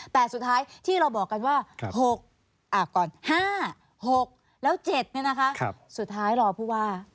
แต่สุดท้ายที่เราบอกกันว่า๖ก่อน๕๖แล้ว๗สุดท้ายรอผู้ว่า